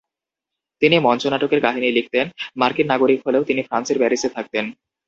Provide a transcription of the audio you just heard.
তিনি মঞ্চনাটকের কাহিনী লিখতেন; মার্কিন নাগরিক হলেও তিনি ফ্রান্সের প্যারিসে থাকতেন।